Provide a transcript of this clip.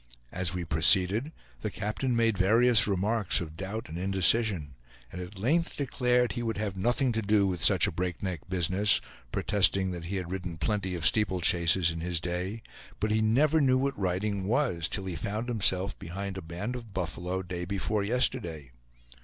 As we proceeded the captain made various remarks of doubt and indecision; and at length declared he would have nothing to do with such a breakneck business; protesting that he had ridden plenty of steeple chases in his day, but he never knew what riding was till he found himself behind a band of buffalo day before yesterday.